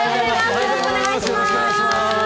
よろしくお願いします。